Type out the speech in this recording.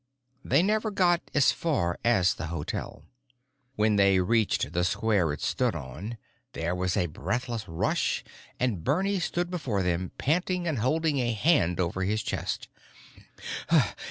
They never got as far as the hotel. When they reached the square it stood on, there was a breathless rush and Bernie stood before them, panting and holding a hand over his chest.